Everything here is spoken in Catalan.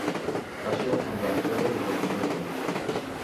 Va ser el que em va atraure des del primer moment.